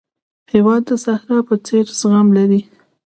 هېواد د صحرا په څېر زغم لري.